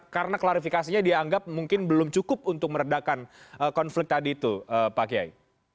karena klarifikasinya dianggap mungkin belum cukup untuk meredakan konflik tadi itu pak kiai